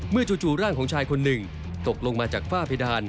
จู่ร่างของชายคนหนึ่งตกลงมาจากฝ้าเพดาน